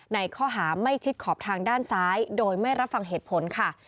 ในข้อหาไม่ชิดขอบทางด้านซ้ายโดยไม่รับฟังเหตุผลค่ะ